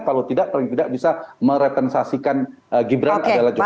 kalau tidak paling tidak bisa merepensasikan gibran adalah jokowi